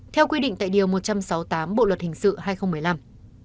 theo quy định tại điều một trăm sáu mươi tám bộ luật hình sự hai nghìn một mươi năm